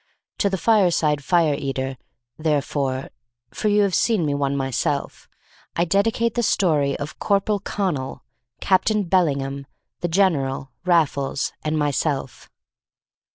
To the fireside fire eater, therefore (for you have seen me one myself), I dedicate the story of Corporal Connal, Captain Bellingham, the General, Raffles, and myself.